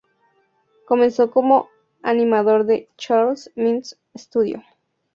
Comenzó como animador en Charles Mintz studio.